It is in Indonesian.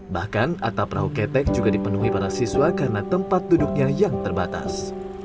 bahkan atap perahu ketek juga dipenuhi para siswa karena tempat duduknya yang terbatas